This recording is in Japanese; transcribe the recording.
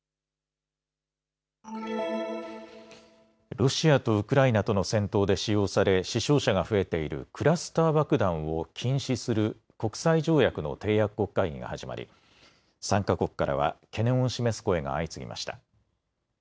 ロシアとウクライナとの戦闘で使用され死傷者が増えているクラスター爆弾を禁止する国際条約の締約国会議が始まり参加国からは懸念を示す声が相次ぎました。